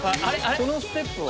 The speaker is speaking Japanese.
そのステップは？